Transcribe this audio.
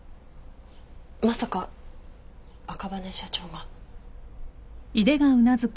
まさか赤羽社長が？